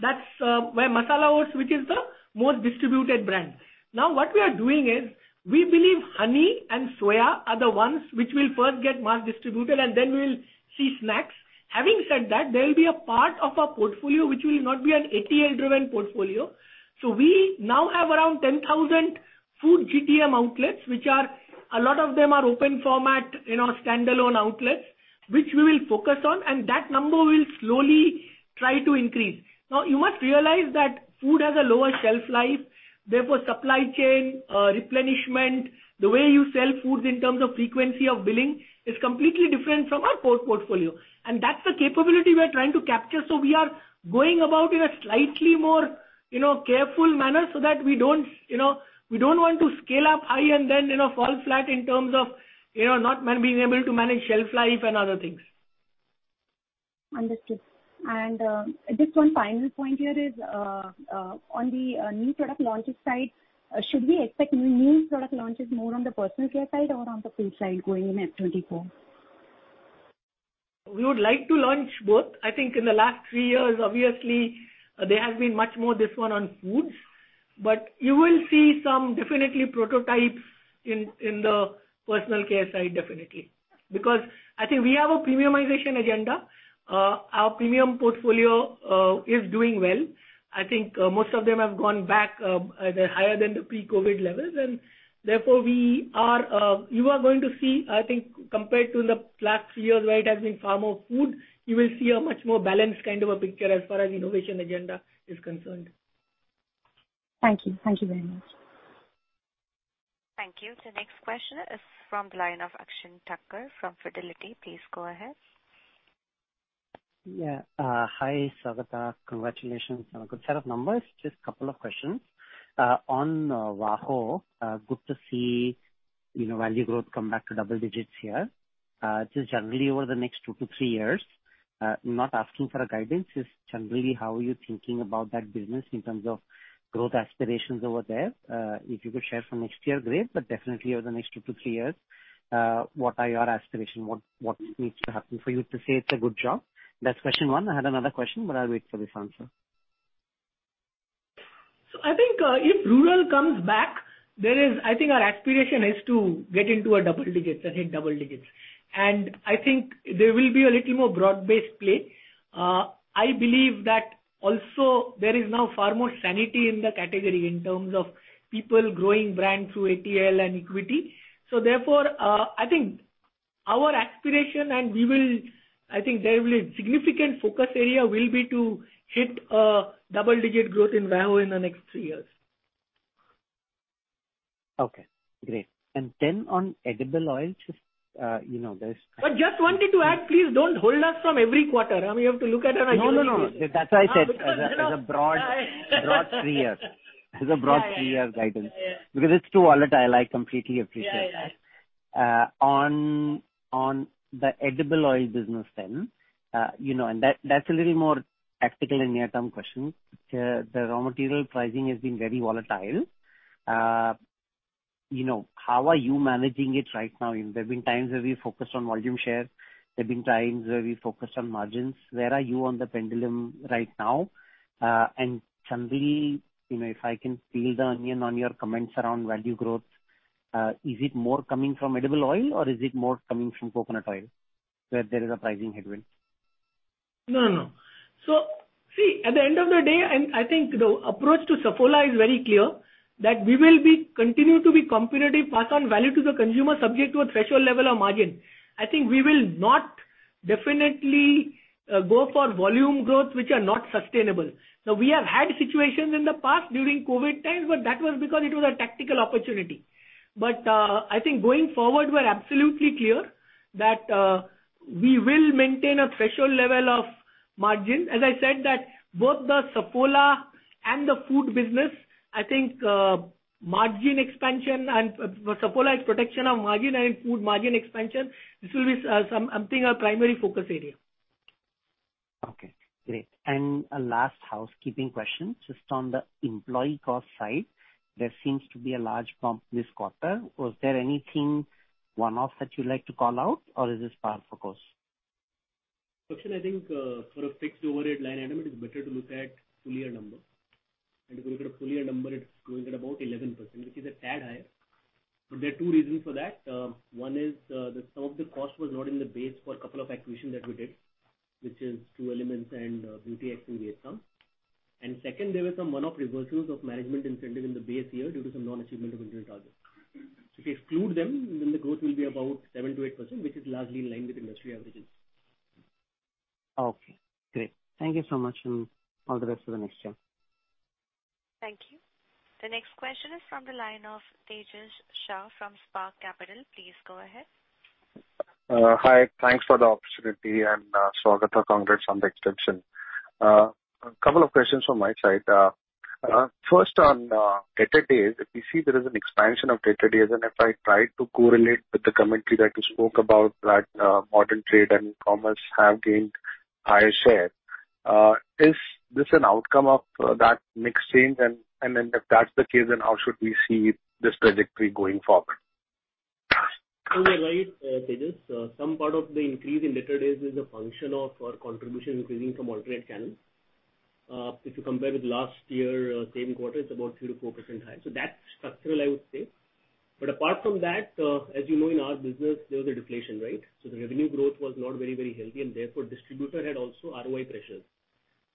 That's where masala oats, which is the most distributed brand. What we are doing is we believe honey and soya are the ones which will first get mass distributed, and then we'll see snacks. Having said that, there will be a part of our portfolio which will not be an ATL-driven portfolio. We now have around 10,000 food GTM outlets, which are, a lot of them are open format, you know, standalone outlets, which we will focus on, and that number will slowly try to increase. You must realize that food has a lower shelf life, therefore, supply chain, replenishment, the way you sell foods in terms of frequency of billing is completely different from our core portfolio, and that's the capability we are trying to capture. We are going about in a slightly more, you know, careful manner so that we don't, you know, we don't want to scale up high and then, you know, fall flat in terms of, you know, not being able to manage shelf life and other things. Understood. Just one final point here is on the new product launches side, should we expect new product launches more on the personal care side or on the food side going in FY 2024? We would like to launch both. I think in the last three years, obviously, there has been much more this one on foods. You will see some definitely prototypes in the personal care side, definitely. I think we have a premiumization agenda. Our premium portfolio is doing well. I think most of them have gone back, they're higher than the pre-COVID levels and therefore you are going to see, I think compared to the last few years where it has been far more food, you will see a much more balanced kind of a picture as far as innovation agenda is concerned. Thank you. Thank you very much. Thank you. The next question is from the line of Akshen Thakkar from Fidelity International. Please go ahead. Hi, Saugata. Congratulations on a good set of numbers. Just couple of questions. On Vaho, good to see, you know, value growth come back to double digits here. Just generally over the next two to three years, not asking for a guidance, just generally how are you thinking about that business in terms of growth aspirations over there? If you could share for next year, great, definitely over the next two to three years, what are your aspiration? What needs to happen for you to say it's a good job? That's question one. I had another question, I'll wait for this answer. I think, if rural comes back, I think our aspiration is to get into a double digits and hit double digits. I think there will be a little more broad-based play. I believe that also there is now far more sanity in the category in terms of people growing brand through ATL and equity. Therefore, I think our aspiration and I think there will be significant focus area will be to hit, double-digit growth in VAHO in the next three years. Okay, great. On edible oil, just, you know. Just wanted to add, please don't hold us from every quarter. I mean, we have to look at. No, no. That's why I said as a broad three years. As a broad three-year guidance. Yeah. It's too volatile. I completely appreciate that. Yeah, yeah. On the edible oil business then, you know, that's a little more tactical and near-term question. The raw material pricing has been very volatile. You know, how are you managing it right now? There have been times where we focused on volume share. There have been times where we focused on margins. Where are you on the pendulum right now? Chandri, you know, if I can peel the onion on your comments around value growth, is it more coming from edible oil or is it more coming from coconut oil where there is a pricing headwind? No, no. See, at the end of the day, and I think the approach to Saffola is very clear, that we will be continue to be competitive, pass on value to the consumer subject to a threshold level of margin. I think we will not definitely go for volume growth which are not sustainable. Now, we have had situations in the past during COVID times, but that was because it was a tactical opportunity. I think going forward, we're absolutely clear that we will maintain a threshold level of margin. As I said that both the Saffola and the food business, I think, margin expansion and for Saffola, it's protection of margin and in food margin expansion, this will be something our primary focus area. Okay, great. A last housekeeping question. Just on the employee cost side, there seems to be a large bump this quarter. Was there anything one-off that you'd like to call out or is this par for course? Actually, I think, for a fixed overhead line item, it is better to look at full year number. If we look at a full year number, it's growing at about 11%, which is a tad higher. There are two reasons for that. One is that some of the cost was not in the base for a couple of acquisitions that we did, which is True Elements and Beauty X in Vietnam. Second, there were some one-off reversals of management incentive in the base year due to some non-achievement of internal targets. If we exclude them, then the growth will be about 7% to 8%, which is largely in line with industry averages. Okay, great. Thank you so much, and all the best for the next year. Thank you. The next question is from the line of Tejas Shah from Spark Capital. Please go ahead. Hi. Thanks for the opportunity, and Saugata, congrats on the extension. A couple of questions from my side. First on debtor days. If you see there is an expansion of debtor days, and if I try to correlate with the commentary that you spoke about that modern trade and commerce have gained higher share, is this an outcome of that mix change? Then if that's the case, then how should we see this trajectory going forward? You are right, Tejas. Some part of the increase in debtor days is a function of our contribution increasing from alternate channels. If you compare with last year, same quarter, it's about 3% to 4% higher. That's structural, I would say. Apart from that, as you know, in our business, there was a deflation, right? The revenue growth was not very, very healthy, and therefore, distributor had also ROI pressures.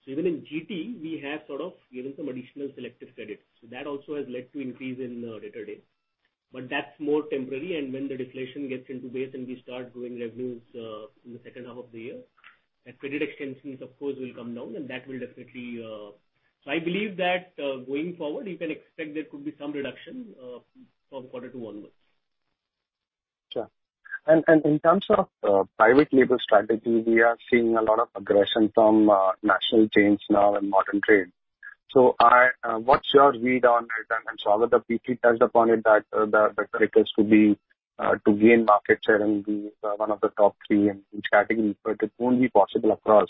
Even in GT, we have sort of given some additional selective credits. That also has led to increase in debtor days. That's more temporary and when the deflation gets into base and we start growing revenues in the second half of the year, the credit extensions of course will come down and that will definitely... I believe that, going forward, you can expect there could be some reduction, from quarter to 1 month. In terms of private label strategy, we are seeing a lot of aggression from national chains now and modern trade. What's your read on it? Saugata briefly touched upon it that the focus would be to gain market share and be one of the top three in category, but it won't be possible across,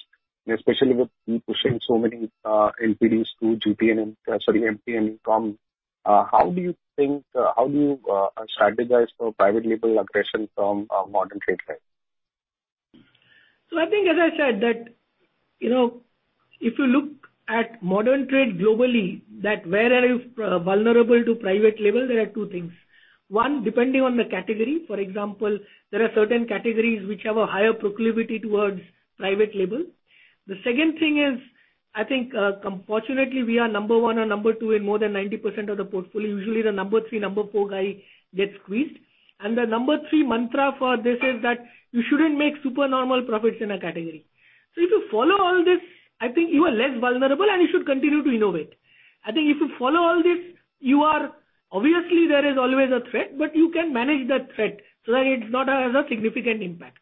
especially with you pushing so many NPDs through GT and, sorry, MP and e-com. How do you think, how do you strategize for private label aggression from modern trade side? I think as I said that, you know, if you look at modern trade globally that where are you vulnerable to private label, there are two things. One, depending on the category. For example, there are certain categories which have a higher proclivity towards private label. The second thing is, I think, fortunately we are number one or number two in more than 90% of the portfolio. Usually the number three, number four guy gets squeezed. The number three mantra for this is that you shouldn't make super normal profits in a category. If you follow all this, I think you are less vulnerable, and you should continue to innovate. I think if you follow all this, you are, obviously there is always a threat, but you can manage that threat so that it's not has a significant impact.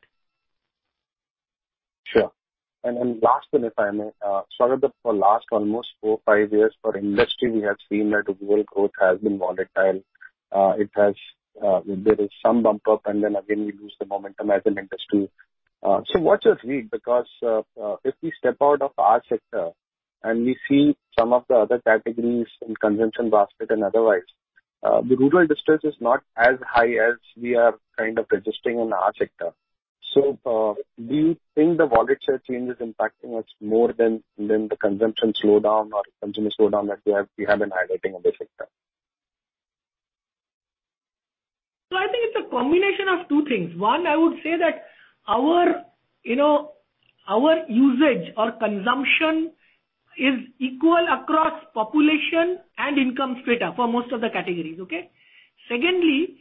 Sure. last one, if I may. Saugata, for last almost four or five years for industry, we have seen that rural growth has been volatile. it has, there is some bump up and then again we lose the momentum as an industry. what's your read? Because, if we step out of our sector and we see some of the other categories in consumption basket and otherwise, the rural distance is not as high as we are kind of registering in our sector. do you think the wallet share change is impacting us more than the consumption slowdown or consumer slowdown that we have been highlighting in the sector? It's a combination of two things. One, I would say that our, you know, our usage or consumption is equal across population and income strata for most of the categories. Okay? Secondly,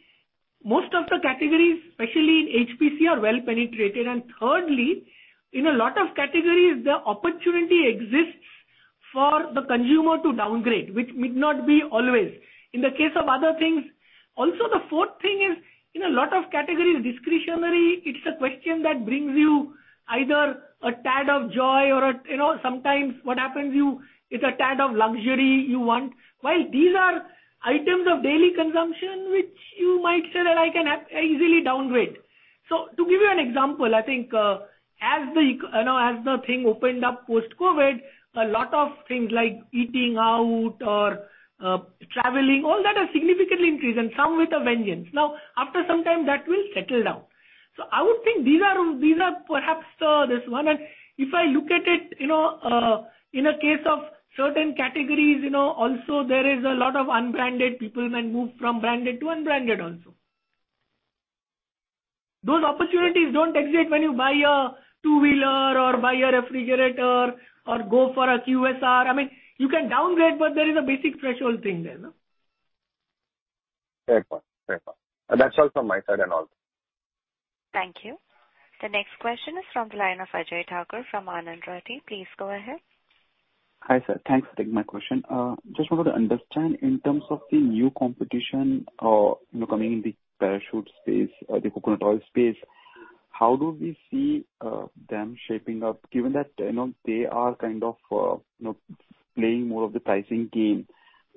most of the categories, especially in HPC, are well-penetrated. Thirdly, in a lot of categories, the opportunity exists for the consumer to downgrade, which may not be always. In the case of other things... The fourth thing is, in a lot of categories, discretionary, it's a question that brings you either a tad of joy or a, you know, sometimes what happens, it's a tad of luxury you want. While these are items of daily consumption, which you might say that I can easily downgrade. To give you an example, I think, as the you know, as the thing opened up post-COVID, a lot of things like eating out or traveling, all that has significantly increased, and some with a vengeance. After some time, that will settle down. I would think these are perhaps this one. If I look at it, you know, in a case of certain categories, you know, also there is a lot of unbranded. People might move from branded to unbranded also. Those opportunities don't exist when you buy a two-wheeler or buy a refrigerator or go for a QSR. I mean, you can downgrade, but there is a basic threshold thing there, no? Fair point. Fair point. That's all from my side then also. Thank you. The next question is from the line of Ajay Thakur from Anand Rathi. Please go ahead. Hi, sir. Thanks for taking my question. Just wanted to understand in terms of the new competition, you know, coming in the Parachute space, the coconut oil space, how do we see them shaping up given that, you know, they are kind of, you know, playing more of the pricing game?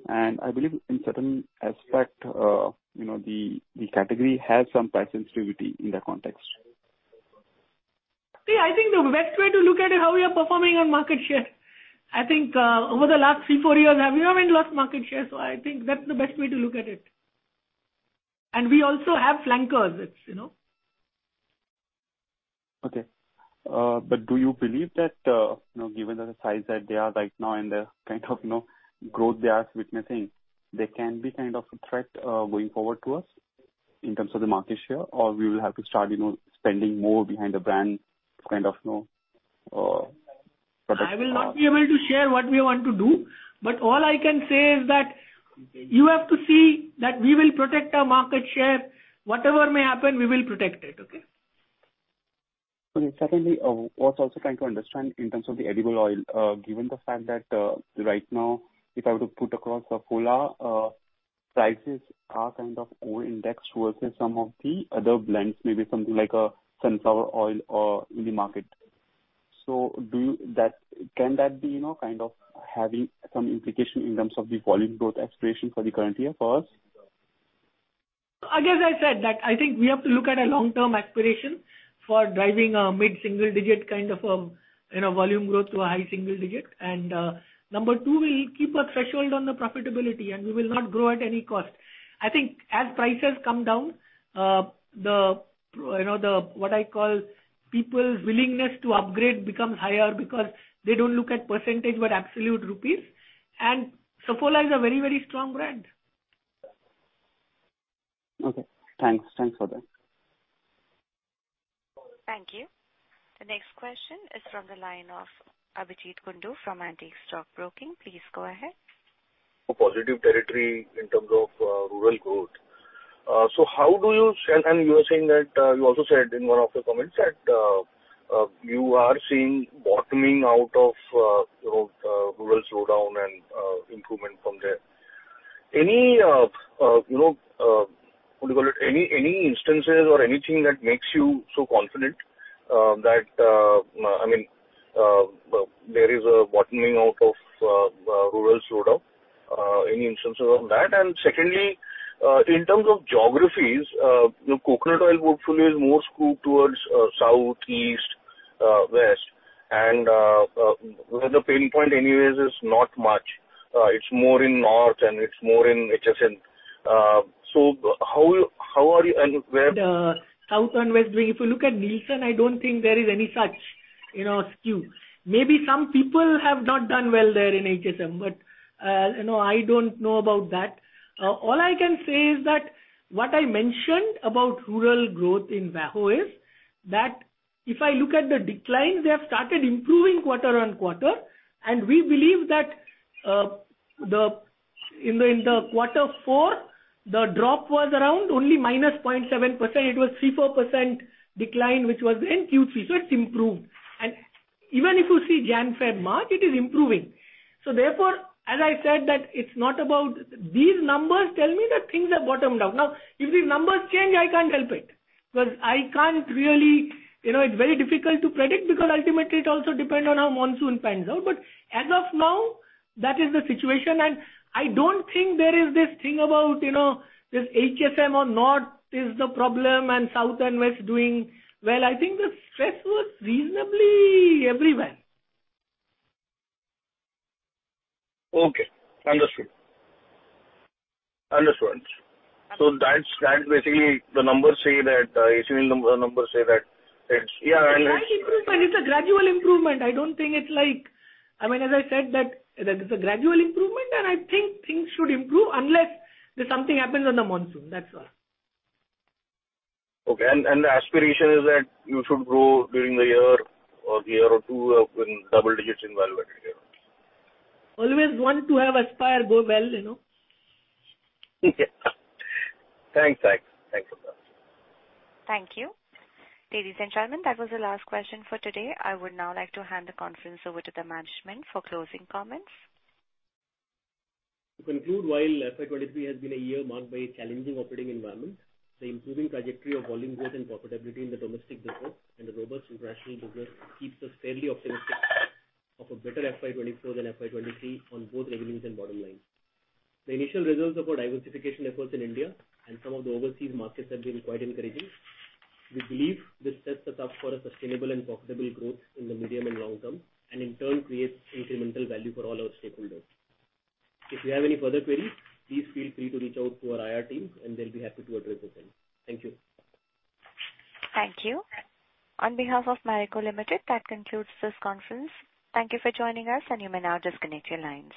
I believe in certain aspect, you know, the category has some price sensitivity in that context. See, I think the best way to look at it, how we are performing on market share. I think, over the last three, four years, we haven't lost market share, so I think that's the best way to look at it. We also have flankers, you know. Okay. Do you believe that, you know, given the size that they are right now and the kind of, you know, growth they are witnessing, they can be kind of a threat going forward to us in terms of the market share? We will have to start, you know, spending more behind the brand to kind of, you know, protect? I will not be able to share what we want to do, but all I can say is that you have to see that we will protect our market share. Whatever may happen, we will protect it. Okay? Okay. Secondly, what I was also trying to understand in terms of the edible oil, given the fact that right now, if I were to put across Saffola, prices are kind of over-indexed versus some of the other blends, maybe something like sunflower oil or in the market. Can that be, you know, kind of having some implication in terms of the volume growth aspiration for the current year for us? As I said that I think we have to look at a long-term aspiration for driving a mid-single digit kind of, you know, volume growth to a high single digit. Number two, we'll keep a threshold on the profitability, and we will not grow at any cost. I think as prices come down, the, you know, the, what I call people's willingness to upgrade becomes higher because they don't look at percentage, but absolute rupees. Saffola is a very, very strong brand. Okay, thanks. Thanks for that. Thank you. The next question is from the line of Abhijeet Kundu from Antique Stock Broking. Please go ahead. A positive territory in terms of rural growth. You were saying that you also said in one of your comments that you are seeing bottoming out of, you know, rural slowdown and improvement from there. Any, you know, what do you call it, any instances or anything that makes you so confident that, I mean, there is a bottoming out of rural slowdown, any instances of that? Secondly, in terms of geographies, you know, coconut oil portfolio is more skewed towards South, East, West, and where the pain point anyways is not much. It's more in North and it's more in HSM. How are you and where The South and West, if you look at Nielsen, I don't think there is any such, you know, skew. Maybe some people have not done well there in HSM, you know, I don't know about that. All I can say is that what I mentioned about rural growth in VAHO is that if I look at the decline, they have started improving quarter-on-quarter, we believe that in quarter four, the drop was around only -0.7%. It was 3% to 4% decline, which was in Q3, it's improved. Even if you see January, February mark, it is improving. Therefore, as I said that these numbers tell me that things have bottomed out. If these numbers change, I can't help it, because I can't really, you know, it's very difficult to predict because ultimately it also depends on how monsoon pans out. As of now, that is the situation. I don't think there is this thing about, you know, this HSM or North is the problem and South and West doing well. I think the stress was reasonably everywhere. Okay. Understood. Understood. That's basically the numbers say that Nielsen numbers say that it's. It's a slight improvement. It's a gradual improvement. I don't think it's like. I mean, as I said, that it's a gradual improvement. I think things should improve unless there's something happens on the monsoon, that's all. Okay. The aspiration is that you should grow during the year or two, in double digits in value added, yeah? Always want to have aspire go well, you know. Thanks. Thanks. Thanks for that. Thank you. Ladies and gentlemen, that was the last question for today. I would now like to hand the conference over to the management for closing comments. To conclude, while FY 2023 has been a year marked by a challenging operating environment, the improving trajectory of volume growth and profitability in the domestic business and the robust international business keeps us fairly optimistic of a better FY 2024 than FY 2023 on both revenues and bottom line. The initial results of our diversification efforts in India and some of the overseas markets have been quite encouraging. We believe this sets the path for a sustainable and profitable growth in the medium and long term, and in turn creates incremental value for all our stakeholders. If you have any further queries, please feel free to reach out to our IR team, and they'll be happy to address the same. Thank you. Thank you. On behalf of Marico Limited, that concludes this conference. Thank you for joining us, and you may now disconnect your lines.